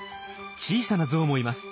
小さなゾウもいます。